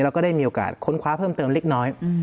แล้วก็ได้มีโอกาสค้นคว้าเพิ่มเติมเล็กน้อย